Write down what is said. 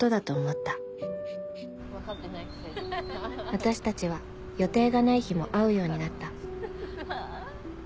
私たちは予定がない日も会うようになった